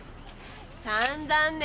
さんざんね。